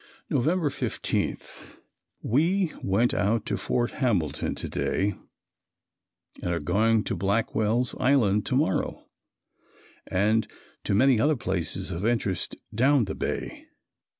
November 15. "We" went out to Fort Hamilton to day and are going to Blackwell's Island to morrow and to many other places of interest down the Bay.